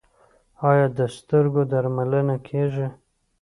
آیا د سترګو درملنه کیږي؟